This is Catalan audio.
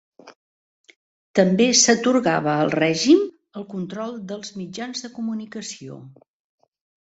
També s'atorgava al règim el control dels mitjans de comunicació.